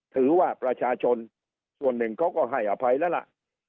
ถือว่าประชาชนส่วนหนึ่งเขาก็ให้อภัยแล้วล่ะ